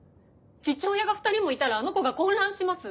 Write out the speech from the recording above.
父親が２人もいたらあの子が混乱します！